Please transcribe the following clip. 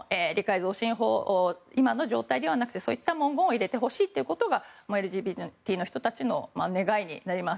増進法今の状態ではなくてそういった文言を入れてほしいというのがＬＧＢＴの人たちの願いになります。